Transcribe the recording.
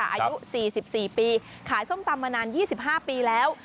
อายุ๔๔ปีขายส้มตำมานาน๒๕ปีแล้ว